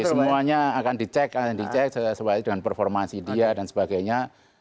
tapi semuanya akan dicek akan dicek sesuai dengan performansi dia dan sebagainya